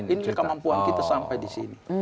ini kemampuan kita sampai di sini